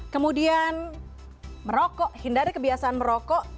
kemudian merokok hindari kebiasaan merokok